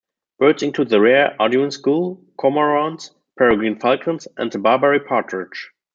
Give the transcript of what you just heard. Birds include the rare Audouin's gull, cormorants, peregrine falcons and the Barbary partridge.